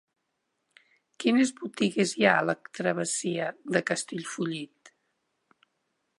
Quines botigues hi ha a la travessia de Castellfollit?